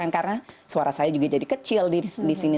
karena suara saya juga jadi kecil di sini